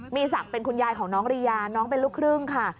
มีศักดิ์เป็นคุณยายของน้องรียาน้องเป็นลูกครึ่งค่ะ